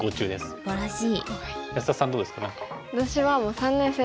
すばらしい。